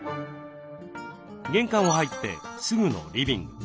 玄関を入ってすぐのリビング。